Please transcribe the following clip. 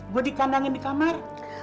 gue dikandangin di kamar